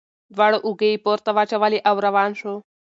دواړه اوږې یې پورته واچولې او روان شو.